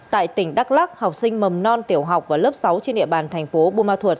tại tỉnh đắk lắc học sinh mầm non tiểu học và lớp sáu trên địa bàn thành phố bùa ma thuột